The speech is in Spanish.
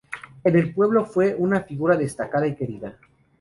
En el pueblo fue una figura destacada y querida.